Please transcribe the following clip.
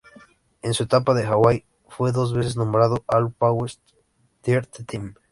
En su etapa en Hawaii fue dos veces nombrado All-PacWest Third Team.